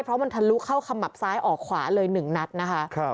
เพราะมันทะลุเข้าขมับซ้ายออกขวาเลย๑นัดนะคะ